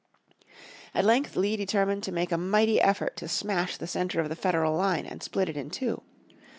At length Lee determined to make a mighty effort to smash the center of the Federal line, and split it in two.